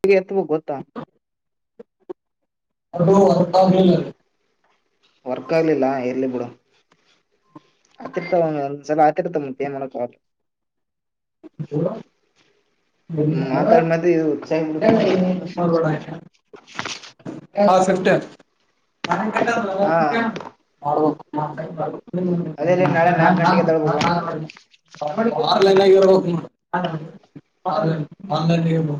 ಹಗೆ ಎತ್ತವೋ ಗೊತ್ತಾ ಅ ಅತಬ ವರ್ಕ್ ಆಗ್ಲಿಲ್ಲ ಎರ್ಲಿ ಬಿಡ ಅತೃತವ ಸಲ ಅತೃತ ಮನ ಹ ಎಡ ಮಾತಾಡ್ ಮತ್ತೆ ಇದು ಸ್ಫ್ಟ ನ ಕಟ್ಟಾ ಹಾ ಪ್ರ ಅದೇ ನಾಳೆ ನಾಕ್ ಗಂಟೆಗೆ ಎದ್ದೇಳ್ಬೇಕು ನಾನ ಆರಲ್ಲಲ್ಲರ ಹ ಮಾತಾಡ್ಬೇಕು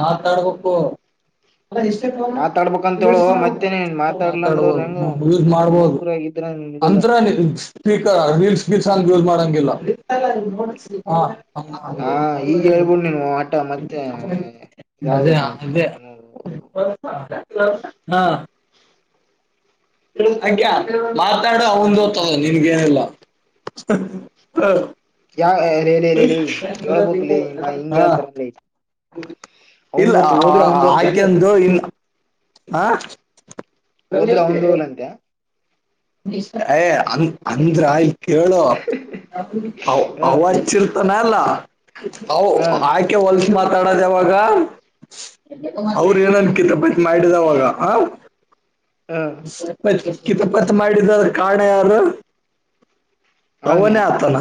ಮಾತಾಡ್ಬೇಕು ಹ ಮಾತಾಡ್ಬೇಕಂತ ಹೇಳೇಳ ಮತ್ತೇನನ್ ಮಾತಾಡ್ಲ ಅಂದ್ರ ಅವರು ಹೆಂಗ ಮೂಕರುಗಿದ್ರ ಅಂರ ಸ್ಪೀಕರ್ ವೀಲ್ ಸ್ಪೀಕ್ ಯೂಸ್ ಮಾಡಂಗಿಲ್ಲ ಹ ಹ ಹಾ ಈಗ ಹೇಳ್ಬಿಡ್ ನೀನು ಆಟ ಮತ್ತೆ ಅದ ಇದಾಗತ್ ಮೆ ಅದ [unintelligible] ಹಾ [unintelligible] [inaudible] ಹಾಗ ಮಾತಾಡು ಅವನ್ ಹತದ ನಿನ್ಗೇನಲ್ಲ [unintelligible] ಹ ಯಾವ ರೇಲೇ ಹೇಳ್ಬಕ್ಲಿ ಹಿಂಗ ಹಾ ಹೇಳ್ತಾರಲ್ಲ ಇಲ್ಲ ಅವಂದೊತ್ತು ಹೋದ್ರೆ ಅವಂದೊತ್ತನ್ಲಿ ಆಕೆಂದು ಇನ್ನು ಹ ಹೋದ್ರ ಅವಂದ ಹೋಗ್ಲಂತೆ ಯ ಅ ಅಂದ್ರ ಆಯ ಕೇಳೋ ಹ ಅವಾಜ ಲ್ಲ ಹಾ ಆಕೆ ಹೊಲ್ಸ ಮಾತಾಡೋದು ಯಾವಾಗ ಅವ್ರ ಏನ್ ಅನ್ಕಿಲ್ಲ ಬತ್ ಮಾಡಿದಾವಾಗ ಹ ಹ ಕಿಿತತ್ ಮಾಡಿದದ್ರ ಕಣ ಯಾರು [unintelligible] ಅವನ ಅವನೇ ಆಗ್ತಾನ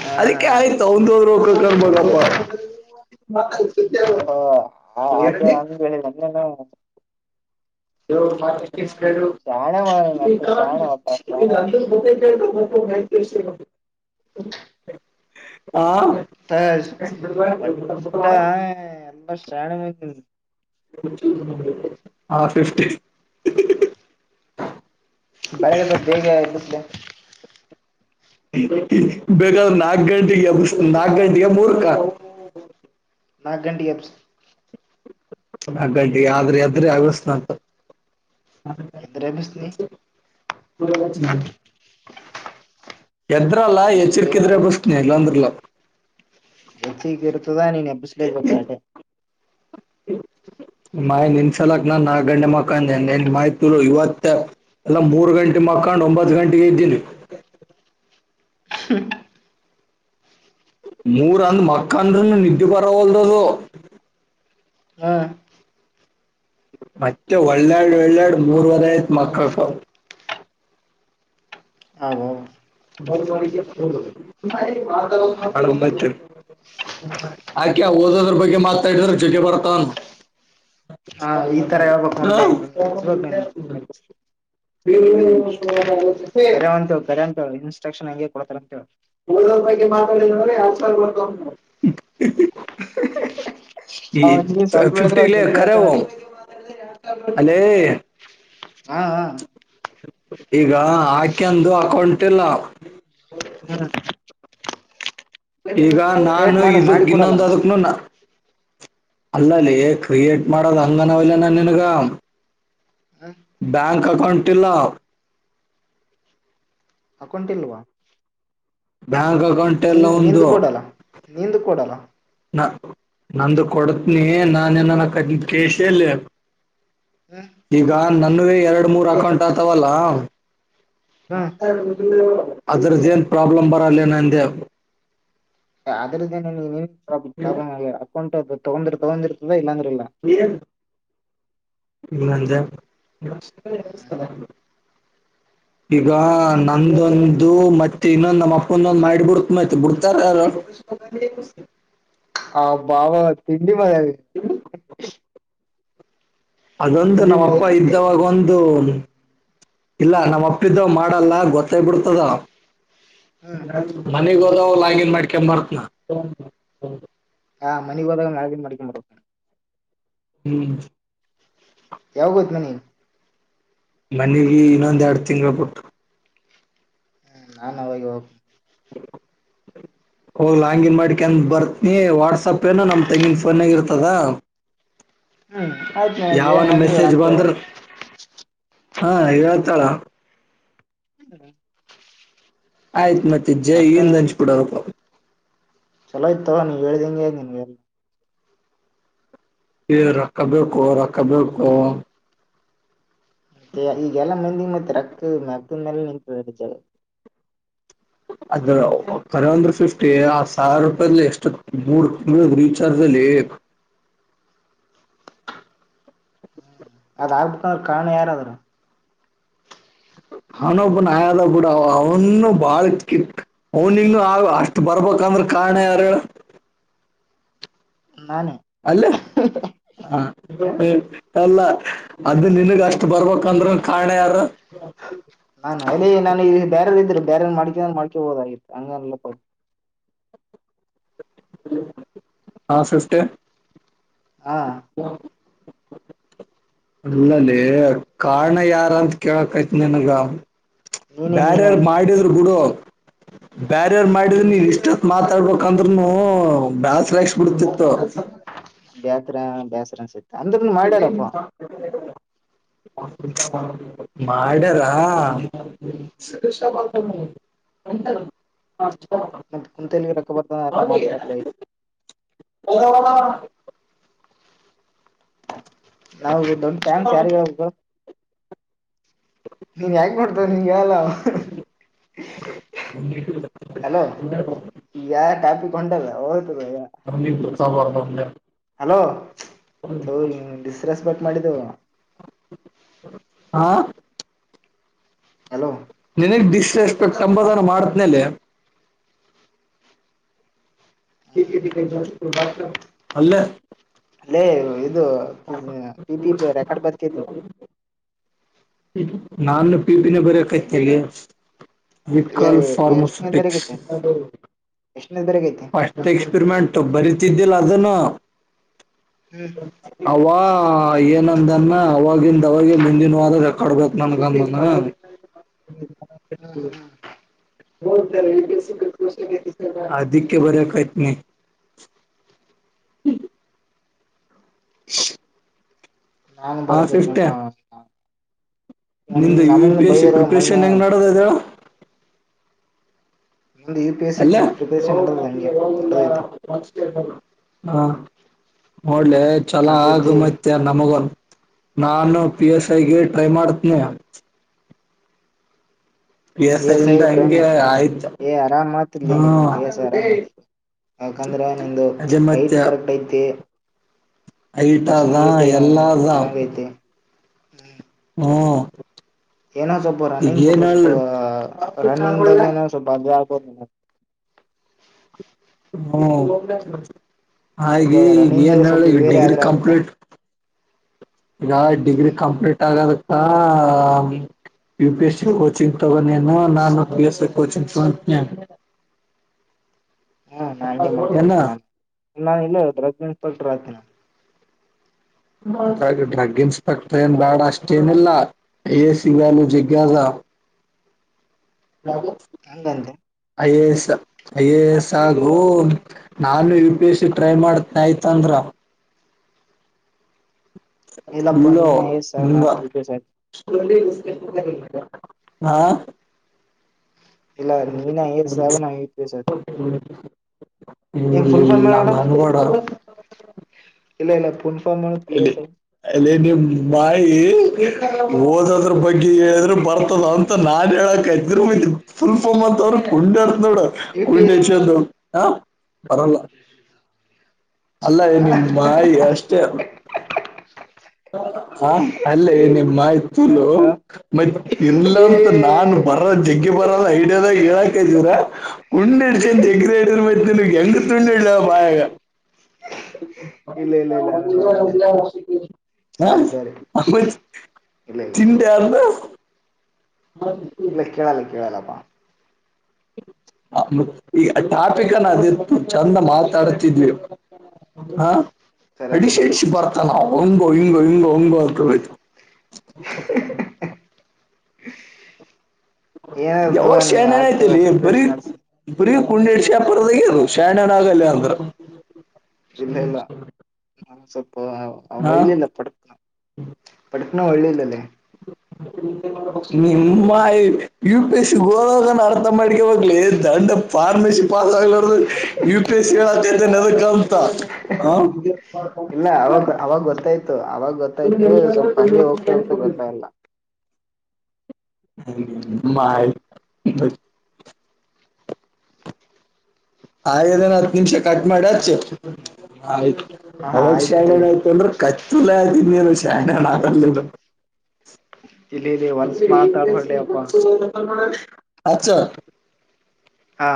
ಹಾ ಹಾ ಆಯ್ತ ಒಂದು ರಕ ಕಣ ಬಪ್ಪ ಹ ಅದೇ ಅಂಗ ಹೇಳನ್ನೆ ನಾ ಇಾಕ ಶಾಣೆ ಮತ್ತ ಈಗಗ ಶಾಣೆ ಒಟ್ಟ ಶಾಣೆ ಅ ಗೊತ್ತ ಕ ತರ್ಸ ಹಾ ಒಟ್ಟ ಒಟ್ಟ ಎಲ್ಲ ಶಾಣೆ ಮಂದಿ ಹಾ ಫಿಫ್ಟಿ ಬಳಗೆಲ್ಲ ಬೇಗ ಎ ಬೇ ಬೇಗಾದ ನಾಕ ಗಂಟೆಗೆ ನಾಕ ಗಂಟೆಗೆ ಮೂರ್ಕ ನಾಗ ಗಂಟಿ ಎಬ್ಸ್ ಹಾಗಟ ಆದ್ರೆ ಅದ್ರೆ ಆಗಸ್ನ ಅಂತ ಎಂದರೆ ಅಭ್ಯಸ್ ನೀಿ ಎದ್ರಲ್ಲ ಎಚ್ಚಿರ್ಕಿದ್ರೆ ಬಶ್ನೆ ಇಲ್ಲ ಅಂದ್ರಿಲ್ಲ ರೊಚ್ಚ ಗಿರ್ತದಾ ನೀನ್ ಎಬ್ಬಿಸ್ಬೇಕು ತಾಟೆ [unintelligible] ನಿಮಾವ್ ನಿನ್ ಸಲಕ್ ನಾನ್ಗಂಟೆ ಮಕ್ಕಂಡೆ ನಿಮಾಯ್ ತುಲು ಇವತ್ತು ನಾವ್ ಮೂರು ಗಂಟೆ ಮಕ್ಕೊಂಡು ಒಂಬತ್ತು ಗಂಟಿಗೆ ಎದ್ದೀನಿ [unintelligible] ಮೂರಂದ್ ಮಕ್ಕಂದ್ರನು ನಿದ್ದೆ ಬರವಲ್ದದು ಹಾ ಮತ್ತೆ ಒಳ್ಳೊಳ್ಳ್ಒಳ್ಳೊಳ್ಳಿ ಮೂರ್ವರೆ ಆಯ್ತು ಮಕ್ಕಳಕ್ಕ ಹೌ ನಳ ಒಂಬ [inaudible] ಆಕೆ ಓದೋದ್ರ ಬಗ್ಗೆ ಮಾತಾಡಿದ್ರ ಜೊಗೆ ಬರ್ತಾನ ಹಾ ಈ ತರ ಹೇಳ್ಬೇಕು ಹಾ ಅನ್ಲೆ ಮೆಚ್ಬೇಕ್ ನೀನು ಬಿ ನಿ ಸಮ [inaudible] ಚಕ್ಷನಾಗೆ ಕೊಡ್ತನಾಂತೇಳು ಉಳ್ದವರ್ ಬಗ್ಗೆ ಮಾತಾಡಿದಂದ್ರೆ ಎರಡ್ ಸಾವಿರ್ದೋಂದು ಬರ್ [inaudible] ಈ ಅವ ನೀ ಸ್ವಲ್ಪ ಹೇಳಿದ್ರ ಫಫಿಫ್ಟಿಲ್ಲಿ ಜಗ್ಗಿ ಹೇಳ್ತಾನ ಕರೇವು ಅಲ್ಲಿ ಲ್ಲೇ ಹ ಹ ಈಗ ಆಯ್ಕೆಂದು ಅಕೌಂಟ್ ಇಲ್ಲ ಕರಟ್ಟ್ ಈಗ ನಾನು ಮಾಡು ಮಾಡಿ ಇದಕ್ ಕೊಡಲ್ಲ ಇನ್ನೊಂದ್ ಹ ಅದಕ್ನ ಅಲ್ಲಲ್ಲೇ ಕ್ರಿಯೇಟ್ ಮಾಡದ ಹಂಗನವಲ್ಲ ನಾನ್ ನಿನ್ಗಾ ಬ್ಯಾಂಕ್ ಅಕೌಂಟ್ ಇಲ್ಲ ಅಕೌಂಟ್ ಇಲ್ವಾ ಬ್ಯಾಂಕ್ ಅಕೌಂಟ್ ಎಲ್ಲ ನಿನ್ ಒಂದು ನಿಂದ್ ಕೊಡಲ್ಲ ನಿಂದ್ ಕೊಡಲ್ಲ ನಂದು ಕೊಡತ್ನಿ ನಾನೇ ನನ ಕ ಕೇಶೇಲ್ಲಿ ಈಗ ನನ್ನುವೆ ಎರಡು ಮೂರು ಅಕೌಂಟ್ ಆತವಲ್ಲ ಹ್ಮ ಅದ್ರದ್ದೇನ್ ಪ್ರಾಬ್ಲಮ್ ಬರಲ್ಲೇನೆಂದೆ ಅದ್ರದೇನ್ ನೀನೇನ್ ಪ್ರಾಬ್ ಪ್ರಾಬ್ಲಮ್ ಆಗಲ್ಲ ಅಕೌಂಟ್ ಅದು ತೊಗೊಂಡಿರ್ ತಗೊಂಡಿರ್ತದೆ ಇಲ್ಲಾಂದ್ರೆ ಲೀರನ್ [inaudible] ಹ್ಮುವಂಜ [inaudible] [unintelligible] ಈಗ ನಂದೊಂದು ಮತ್ತೆ ಇನ್ನೊಂದ್ ನಮ್ಮ ಅಪ್ಪಂದೊಂದ್ ಮಾಡ್ಬಿಡುತ್ ಮತ್ ಬಿಡ್ತಾರ ರ ತಗನೇಸಿ [inaudible] ಆ ಬಾವ ತಿಂಡಿ ಮಡಿವಯ್ [inaudible] ಅದೊಂದು ನಮ್ಮ ನೀನು ಅಪ್ಪ ಇದ್ದವಾಗೊಂದು ಇಲ್ಲ ನಮ್ಮ ಹ್ಮ್ ಅಪ್ಪ ಇದ್ದ ಮಾಡ್ ನಲ್ಲ್ ನೋಡಿ ಗೊತ್ತಾಗ್ ಬಿಡ್ತದ ಮನಿಗ್ಹೋದವ ಲಾಗಿನ್ ಮಾಡ್ಕೊ ಬರ್ತ್ನ ಹಾ ಮನಿಗ್ ಹೋದಗ ಲಾಗಿನ್ ಮಾಡ್ಕಂಡುಬರ್ ಹ್ಮು ಯಾವಗ್ ಬತ್ತಿ ನಿ ಮನೀಗಿ ಇನ್ನೊಂದ್ ಎರಡು ತಿಂಗುಳು ಬಿುಟ್ಟು ನಾನೇ ಹೋಗಿವಗ್ ಹೋಗ್ ಲಾಗಿನ್ ಮಾಡ್ಯಕಂಡು ಬರ್ತ್ನಿ ವಾಟ್ಸಪ್ ಏನು ನಮ್ ತೆಂಗಿನ ಫೋನ್ ಆಗೆ ಇರ್ತದ ಹ್ಮು ಆಯ್ತ್ಮು ಏನ್ ಯಾವನ್ ಮಾಡಿದ್ರು ಮೆಸೇಜ್ ಅಂತೇ ಬಂದ್ರ ಹಾ ಹೇಳ್ತಳ [unintelligible] ಆಯ್ತ್ ಮತ್ತೆ ಜೈ ಒಟ್ಟ ಇಲ್ ಲಂಚ್ಕೊಟ್ ಹೋಗ್ಬೇಕು ಚಲೋವ್ತ್ತಾ ನೀವು ಹೇಳ್ದಿಂಗೆ ನಿನ್ಗೆ ಹೇ ರೊಕ್ಕಬೇಕೊ ರೊಕ್ಕಬೇಕೊ ಮತ್ತೆ ಈಗಲ್ಲಾ ಮಂದಿಗೆ ಮತ್ತೆ ರಕ್ಕ ಮಗ ಮೇಲೆ ನಿಂತಾಗ ಅದ ಕರೆಂದ್ರ ಫಿಫ್ಟಿ ಆ ಸಾವಿರ ರೂಪಾಯ ಎ ಮೂ ರೀಚಾರ್ಜ್ ಲೇಪ್ [inaudible] ಅ ಆಗಬ ಅವ ಕಣ ಯಾರಾದರ ಹಣೊಬ್ಬನ್ ಆಯಾದ ಕೂಡ ಅವ ಅವನು ಬಾಳ್ ಕಿಟ್ ಹ್ನಿಂಗ ಆ ಅಷ್ಟ್ ಬರ್ಬೇಕಂದ್ರೆ ಕಾರಣ ಯಾರ [inaudible] ನಾನೇ ಅಲ್ಲ ಹ ಅಲ್ಲ ಅದ ನಿನ್ಗ್ ಅಷ್ಟ್ ಬರ್ಬೇಕಕ್ಂದ್ರ ಒ ಕಣ ಯಾರ ಬೇರೆಏ ಮಾಡಕ್ರೆ ಮಾಡ್ಕೊಬೋದಾಗಿತ್ತು ಅಂಗಲ್ಲ ಹಲೊ [inaudible] ಹ ಸಿಸ್ಟರ್ ಹಾ [inaudible] ಅಲ್ಲಲ್ಲೇ ಕಾರಣ ಯಾರ ಅಂತ್ ಕೇಳಕ್ಯತ್ ನಿನ್ಗ ಬ್ಯಾರರ್ ಮಾಡಿದ್ರು ಗೂಡು ಹ ಬ್ಯಾರಿಯರ್ ಮಾಡಿದ್ರ ನೀವ್ ಇಷ್ಟತ್ ಮಾತಾಡ್ಬೇಕಂದ್ರರುನು ಬ್ಯಾಳಸಕ್ಸ್ ಬಿಡ್ತಿತ್ತು ಬೇಸರ ಬೇಸರ ಸತ ಅಂದ್ರ ಮಾಡಿಡಾರಪ್ಪ [inaudible] ಮಾಡ್ಯರಾ ಎಟ ಹ ಮತ್ತ ಕುಂತಲಿ ರೊಕ್ಕ ಬರ್ತ ಮಾಡ್ತಾರಲ ಹ ನಾವು ದೊಡ್ ಥ್ಯಾಂಕ್ಸ್ ಯಾರಿಗೆಬೇಕು ನೀನ್ ಯಾಗ್ ಮಾಡ್ತಾರ ನಿನ್ಗೆ ಯಲ್ಲ ಒಂದ ಹಲೋ ಯಾ ಟಾಪಿಕ್ ಹೊಂಟದ ಅವದ ಹಲೋ ತ ಸ್ರಸ್ ಬ ಮಾಡಿದ ಹಾ ಹಲೋ ನಿನಗ್ ಡಶ್ ಎಸ್ಪೆಕ್ಂಬದನ ಮಾಡತ್ನೇಲೆ ೆಾ [inaudible] ಕ್ಟ ಹಲ್ಲ ಅಲ್ಲೇ ಇದು ಪಿ ಪಿ ರೆಕಾರ್ಡ್ ಬರ್ತಿದೀನಿ ನಾನು ಪಿಪಿನ ಬರಕೈತ್ ಹೇಳಿ ವಿಕಲ್ ಎಷ್ಟನೇ ಫಾರ್ಮಾಸ್ಯುಟಕ್ಸ್ ತಾರೀಕೈತೆ ಎಷ್ಟನೇದವರೆಗೈತಿ ಅಷ್ಟಟ್ ಎಕ್ಸ್ಪಿರಿಮೆಂಟ್ ಬರಿತಿದ್ದಿಲ್ಲ ಅದನ್ನು ಹವಾ ಹ ಏನಂದನ್ನ ಅವವಾಗಿಂದ ಅವಾಗ ಮುಂದಿನವಾಗ ಕಡ್ಬೇತ್ ನನ್ಗಂದನ ಹ ಹಧಿಕ್ಯ ಬರ ಕತನ ಹ್ಮ [inaudible] ನಾನು ಆ ಬರಬೇಕತನಪ್ಪಾ ನಿದ U V P S C ಮೊನ್ನೆ ಪ್ರಿಪರೇಷನ್ ಹೆಂಗ್ ಮಾಡೋದ ಅ ಮುಂದೆ ಯು ಪಿ ಎಸ್ ಸಿ ಅಲ್ಲೋಗ ಪ್ರಿಪರೇಷನ್ ನಡದ ಹಂಗೆ ನಡದೈತಿ ಹಾ ನೋಡ್ಲೆ ಚಲ ನಡದೈತಿ ಆಗಮತ್ಯ ನಮಗನು ನಾನು ಪಿ ಎಸ್ಐಗೆ ಟ್ರೈ ಮಾಡ್ತನನೆ ಕೇಸ ಹಂಗೆ ಮಾಡತ ಆಯ್ತು ಆರಾಮ ಮಾಡ ಲ ಹಾ ನ ಕೇಸ ಆರಾಮ ಯಾಕಂದ್ರೆ ನಿಂದು ಅದೇ ಹೈಟ್ ಮತ್ತೆ ಕರೆಕ್ಟ್ ಐತಿ ಐಟ್ ಅದ ಪರ್ಸನಾಲಿಟಿ ಎಲ್ಲ ಅದ ಚೆನ್ನಾಗ ೈತಿ ಹ್ಮ ಹಾ ಏನೋ ಸ್ವಲ್ಪ ರನ್ನಿಂಗ್ ಸ್ವಲ್ಪ ರನ್ನಿಂಗ್ ದಾಗ ಏನೋ ಸ್ವಲ್ಪ ಸ ಹ್ಮ ಹಾಗೆ ಸ್ವಲ್ಪ ಈಗ ರನ್ನಿಂಗ್ದಾಗ ಏನ್ ಹೇಳಿ ಸ್ವಲ್ಪ ಈ ಬೇರೆ ಡಿಗ್ರಿ ಆದ್ರ ಆಗುತ್ತಾ ಕಂಪ್ಲೀಟ್ ಈಗ ಡಿಗ್ರಿ ಕಂಪ್ಲೀಟ್ ಆಗದಕ್ಕ ಯುಪಿಎಸ್ ಸಿ ಕಚಿಂಗ್ ತವನು ನಾನ ಯ ಪಎಸ್ ಸಿಚಿಂಗ [unintelligible] ಹಾ ನಾ ಹಂಗೆ ಏನ ಮಾಡ್ತಪ್ಪ ನಾನು ಇಲ್ಲ್ರಗ್ ಇನ್ಸ್ಪೆಕ್ಟರ್ ಆಗ್ತೇನೆ ೆ ಡ್ರಗ್ ಇನ್ಸ್ಪೆಕ್ಟರ್ ಏನ್ ಬೇಡ ಅಷ್ಟೇಏನಿಲ್ಲ ಎ ಸಿವನು ಜಿಗ್ಗಾಸ ಹ ಹಂತಂತ I A S I A S ಹಾಗು ನಾನು U P S C try ಮಾಡತ ಆಯ್ತಂದ್ರ [unintelligible] ಇಲ್ಲಪ್ಪಾ ಇಲ್ಲ ನೀನ್ ಐ ಎ ಎಸ್ ಆಗ್ ನಾನ್ ಯು ಪಿ ಎಸ್ ಆಗ್ ಹಾ ಇಲ್ಲ ನೀನ ರ್ ಸಾಗ ನ ಇಸ ನೋಡಮ್ ಹ್ಮಲ್ಲಂಗನ್ ವಡ ಇಲ್ಲ ಇಲ್ಲ ಫುಲ್ ಫಾರ್ಮ್ ಹೇಳು ಪಿ ಎಲ್ಲಿ ಎಸ್ ಐ ಎಲ್ಲ ಬಾಯಿ ಓದದ್ರ ಬಗ್ಗೆ ಹೇಳ್ರರು ಬರ್ತದ ಅಂತ ನಾನ್ ಹೇಳಕ್ ಇದರು ಫುಲ್ಫಹಮ್ ಅವ್ರು ಕೊಂಡರ್ ವ ಯು ಪಿ ಎಸ್ ಸಿ ವಿಷಯ ತ ಹ ಬಲ್ಲ ಅಲ್ಲ ನಿಮ ಮಾಾಯಿ ಅಷ್ಟೇ ಹ ಅಲ್ಲೇ ನಿಮ್ಮ ಇತಲು ಮ ಏ ಇರ್ಲಂತ ನಾನು ಬರ ಜಗ್ಗೆ ಬರಲ್ಲ ಇದ ೂರ ಉಂಡಡ ಜಗಡಬೇಕ ಎಂಗ ತುಂಡಿ ಇಲ ಬಾಯಾಗ [unintelligible] ಇಲ್ಲ ಇಲ್ಲ ಇಲ್ಲ ಎಲ್ಲಷ ಸಾರಿ ಸಾರಿ ಹ ಇಲ್ಲ ಇಲ್ಲ ಚಿಂತ ಹ್ಮ ಇಲ್ಲಕ್ಕಳಲ್ಲ ಕಳಲ್ಲಪಾ ಮ ಈ ಟಾಪಿಕನ ಅದಿತ್ತು ಚಂದ ಮಾತಾಡ್ತಿದ್ವಿ ಹ ಸರಿಯಾಗ್ ಎಡಿಸಿ ನೋಡಲ್ಲ ಎಡಿಸಿ ಬರ್ತ ನಾ ಹಂಗೋ ಹಿಂಗೊ ಹಿಂಗೋ ಒಂಗತತ [unintelligible] ಏನಿಲ್ಲ ಯಾವಾಗ ತಗೋ ಶ ನೀ ಏನ್ ಆಯ್ತು ತಗೋ ಏನಐತಿಲ್ಲಿ ಬರೀ ಪ್ರಿಪ್ರೇಷನ್ ನಡ್ಸಿ ಬರೀ ಕುಂಡಿಡ್ ಶಪರ್ದಗ ಅದು ಶಣಣ್ಣ ಆಗಲ್ಲ ಅಂದ್ರ ಇಲ್ಲ ಇಲ್ಲ ಸ್ವಲ್ಪ ಮಳ್ಳಿಯಲ್ಲ ಪಡ್ತ ಹ್ಮ ಎತ್ನ ಒಳ್ಳೇಿಲ್ಲಲ್ಲೇ ನಿಮ್ಮ ಯು ಪಿ ಎಸ್ ಸಿ ಗೋರ ಅರ್ಥ ಮಾಡ್ಿಕ ಹೋಗ್ಲಿ ದಂಡ ಫಾರ್ಮಸಿ ಪಾಸ್ ಆಗ್ರದು ಯು ಪಿ ಎಸ್ ಸಿ ಆತೈತೆದ ಕ ಇಲ್ಲ ಅವಾಗ ಅವಾಗ ಗೊತ್ತಾಯ್ತು ಪ್ಪ ಹ ಗೊತ್ತ ಅಲ್ಲ ಹ ಮಾಾಯ ಆಯ್ದನ ಹತ್ತು ನಿಮಿಷ ಕಟ್ ಮಾಡಚ್ಚು ಆಯ್ತು ಹಾ ಅವಾಗ ಆಯ್ತ್ ಶಣಣ ತಡಿ ಆಯ್ತು ಅಂದ್ರೆ ಕಚ್ಚಲೆ ಆದಗನ್ನು ಶಾನಣ್ಣ ಆಲ ಇಲ್ಲಿ ಇಲ್ಲಿ ಹೊಲ್ಸ್ ಅಪ್ಪಿ ಮಾತಾಡ್ಬಡ್ಲಿ ಯುಪಿಎಸ್‌ಸಿಗ್ ಅಪ್ಪಾ ರೆಫರ್ ಮಾಡು ಅಚ್ಚು ಹಾ